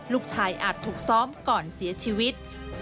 ลูกชายอาจถูกซ้อมก่อนเสียชีวิต